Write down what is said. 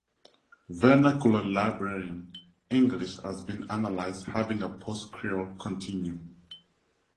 Vernacular Liberian English has been analysed having a post-creole continuum.